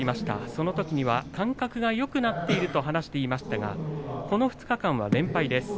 そのときには感覚がよくなっていると話していましたがこの２日間は連敗です。